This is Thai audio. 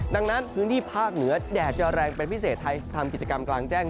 ดังนั้นพื้นที่ภาคเหนือแดดจะแรงเป็นพิเศษไทยทำกิจกรรมกลางแจ้ง